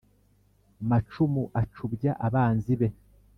macumu acubya abanzi be